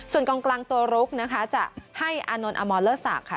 ส่วนกองกลางตัวลุกนะคะจะให้อานนท์อมรเลอร์ศักดิ์ค่ะ